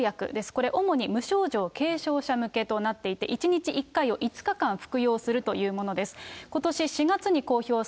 これ、主に無症状、軽症者向けとなっていて、１日１回を５日間服用するというものです。